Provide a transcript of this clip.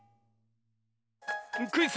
クイズ